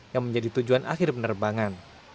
yang menjadi tujuan akhir penerbangan